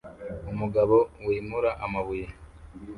Umugabo wimura amabuye